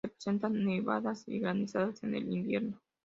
Se presentan nevadas y granizadas en el invierno.